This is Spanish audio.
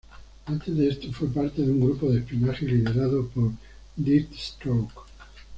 Antes de esto, fue parte de un grupo de espionaje liderado por Deathstroke.